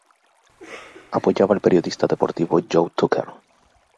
Apoyaba al periodista deportivo Joe Tucker.